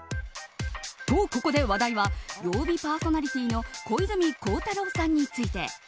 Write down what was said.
と、ここで話題は曜日パーソナリティーの小泉孝太郎さんについて。